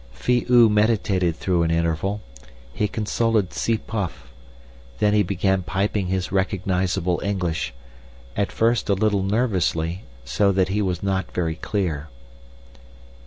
"Phi oo meditated through an interval. He consulted Tsi puff. Then he began piping his recognisable English—at first a little nervously, so that he was not very clear.